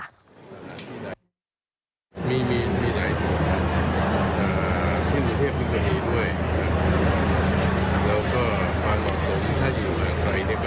อาจจะต้องกระจายไปถึงเดินทางมากเช่นรับบัตรในการผู้หญิง